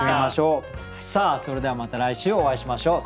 それではまた来週お会いしましょう。